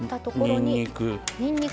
にんにく。